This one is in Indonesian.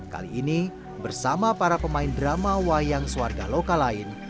kali ini bersama para pemain drama wayang suarga lokal lain